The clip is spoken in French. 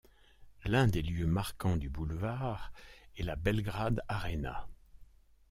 L'un des lieux marquants du boulevard est la Belgrade Arena.